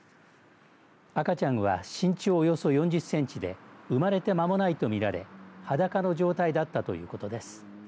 赤ちゃんは身長およそ４０センチで生まれてまもないと見られ裸の状態だったということです。